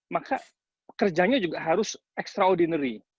maka kerjanya juga harus extraordinary